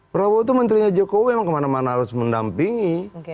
prabowo itu menterinya jokowi memang kemana mana harus mendampingi